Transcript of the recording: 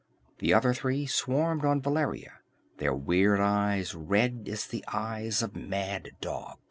The other three swarmed on Valeria, their weird eyes red as the eyes of mad dogs.